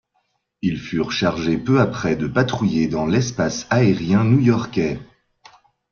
Ils furent chargés peu après de patrouiller dans l'espace aérien new-yorkais.